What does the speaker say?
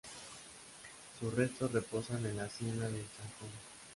Sus restos reposan en la Hacienda del Zanjón.